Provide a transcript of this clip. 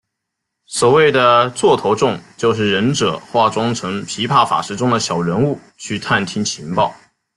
所谓的座头众就是忍者化妆成琵琶法师中的小人物去探听情报。